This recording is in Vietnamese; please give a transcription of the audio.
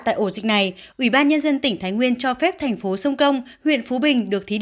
tại ổ dịch này ủy ban nhân dân tỉnh thái nguyên cho phép thành phố sông công huyện phú bình được thí